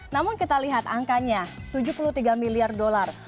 namun kita lihat angkanya tujuh puluh tiga miliar dolar